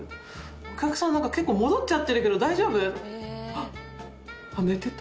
「お客さんなんか結構戻っちゃってるけど大丈夫？」。